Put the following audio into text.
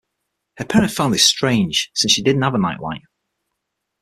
Her parents found this strange since she didn't have a nightlight.